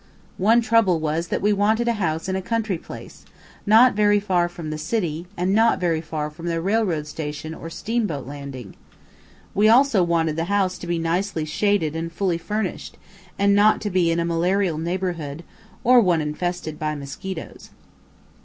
One trouble was that we wanted a house in a country place, not very far from the city, and not very far from the railroad station or steamboat landing. We also wanted the house to be nicely shaded and fully furnished, and not to be in a malarial neighborhood, or one infested by mosquitoes.